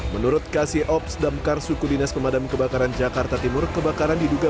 menurut kc ops damkar suku dinas pemadam kebakaran jakarta timur kebakaran diduga